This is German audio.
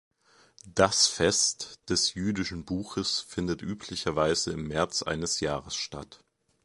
Das Fest des jüdischen Buches findet üblicherweise im März eines Jahres statt.